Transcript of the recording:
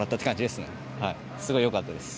すごいよかったです。